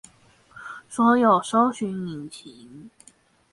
所有搜尋引擎